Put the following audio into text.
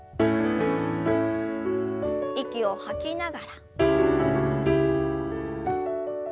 息を吐きながら。